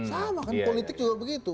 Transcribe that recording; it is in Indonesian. sama kan politik juga begitu